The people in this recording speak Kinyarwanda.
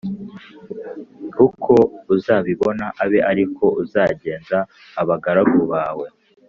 uko uzabibona abe ari ko uzagenza abagaragu bawe